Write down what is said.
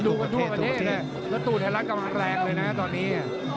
ดูประเทศจริงและตู้ไทยรัตรกำลังแรงเลยนะฮะตอนนี้